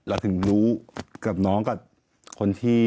เราถึงรู้กับน้องกับคนที่